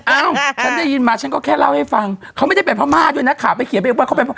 อ้าวฉันได้ยินมาฉันก็แค่เล่าให้ฟังเขาไม่ได้เป็นเพราะมาดด้วยนะข่าวไปเขียนไปอีกวัน